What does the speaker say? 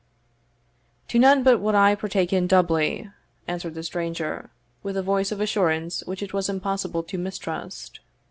"To none but what I partake in doubly," answered the stranger, with a voice of assurance which it was impossible to mistrust.